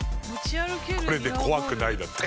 「これで怖くない」だって。